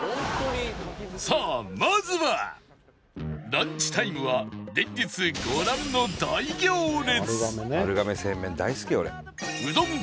ランチタイムは連日ご覧の大行列